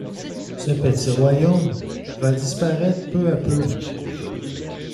Ce petit royaume va disparaître peu à peu.